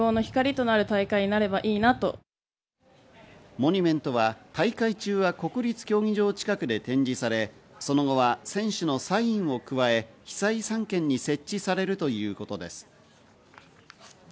モニュメントは大会中は国立競技場近くで展示され、その後は選手のサインを加え被災３県に設置されるということです。